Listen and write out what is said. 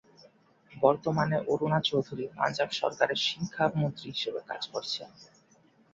বর্তমানে অরুণা চৌধুরী পাঞ্জাব সরকারের শিক্ষা মন্ত্রী হিসেবে কাজ করছেন।